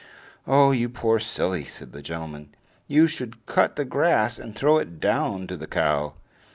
"Oh, you poor silly!" said the gentleman, "you should cut the grass and throw it down to the cow!"